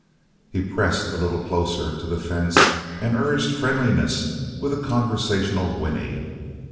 He pressed a little closer to the fence and urged friendliness with a conversational whinny.